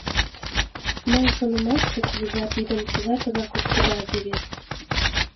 Мыйын шонымаште, кугыжа тидым чылт тыгак ок кудалте вет?!